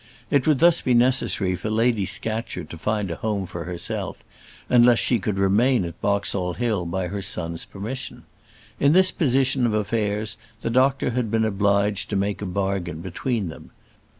It would thus be necessary for Lady Scatcherd to find a home for herself, unless she could remain at Boxall Hill by her son's permission. In this position of affairs the doctor had been obliged to make a bargain between them.